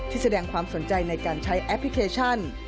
แสดงความสนใจในการใช้แอปพลิเคชัน